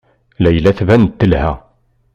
Layla tban-d telha.